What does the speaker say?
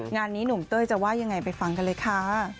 งานนี้หนุ่มเต้ยจะว่ายังไงไปฟังกันเลยค่ะ